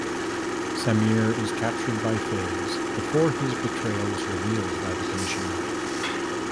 Sameer is captured by Faiz before his betrayal is revealed by the commissioner.